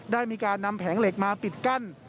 ได้มีการนำแผงเหล็กมาปิดกั้น